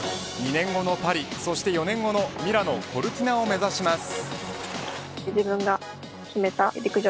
２年後のパリ、そして４年後のミラノ・コルティナを目指します。